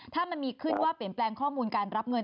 ถ้ามันมีขึ้นว่าเปลี่ยนแปลงข้อมูลการรับเงิน